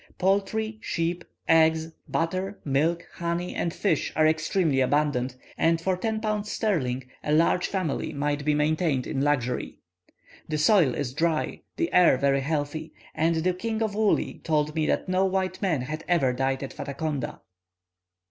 Poultry, sheep, eggs, butter, milk, honey, and fish are extremely abundant, and for ten pounds sterling a large family might be maintained in luxury. The soil is dry, the air very healthy; and the King of Woolli told me that no white man had ever died at Fataconda."